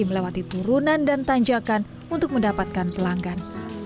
melewati turunan dan tanjakan untuk mendapatkan pelanggan